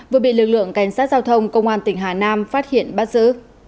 vừa bị lực lượng cảnh sát giao thông công an tỉnh hà nam phát hiện bắt giữ